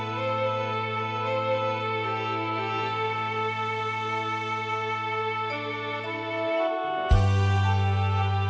โปรโนมัติเชื่อร้องกัน